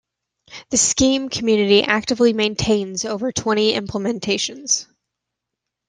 The Scheme community actively maintains over twenty implementations.